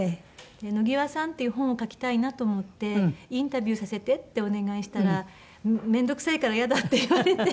「野際さん」っていう本を書きたいなと思ってインタビューさせてってお願いしたら「めんどくさいから嫌だ」って言われて。